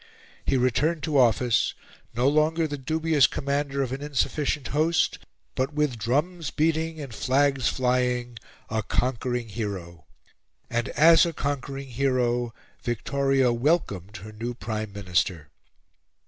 He returned to office, no longer the dubious commander of an insufficient host, but with drums beating and flags flying, a conquering hero. And as a conquering hero Victoria welcomed her new Prime Minister.